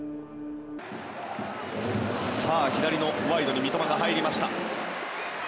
左のワイドに三笘が入りました。